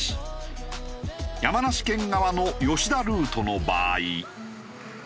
山梨県側の吉田ルートの場合。